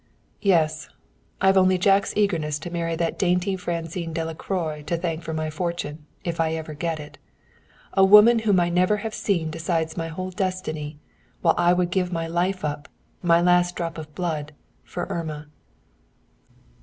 "Yes! I've only Jack's eagerness to marry that dainty Francine Delacroix to thank for my fortune if I ever get it. A woman whom I never have seen decides my whole destiny, while I would give my life up, my last drop of blood, for Irma!"